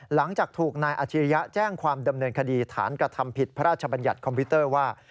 หลังจากถูกนายอาชิริยะแจ้งความดำเนินคดีฐานกระทำผิดพระราชบัญญัติคอมพิวเตอร์ว่า